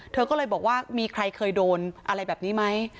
เธอก็เลยบอกว่ามีใครเคยโดนอะไรแบบนี้ไหม